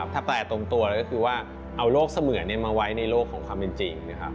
ถ้าแปลตรงตัวเลยก็คือว่าเอาโลกเสมือนมาไว้ในโลกของความเป็นจริงนะครับ